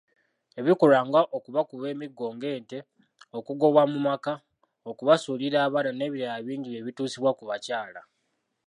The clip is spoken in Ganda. Ebikolwa nga okubakuba emiggo ng'ente, okugobwa mu maka, okubasuulira abaana n'ebirala bingi byebitusibwa kubakyala.